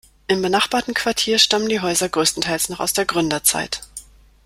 Im benachbarten Quartier stammen die Häuser größtenteils noch aus der Gründerzeit.